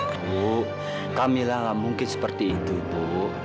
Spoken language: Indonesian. ibu kak mila nggak mungkin seperti itu bu